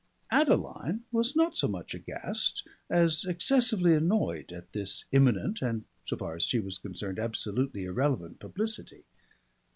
Adeline was not so much aghast as excessively annoyed at this imminent and, so far as she was concerned, absolutely irrelevant publicity.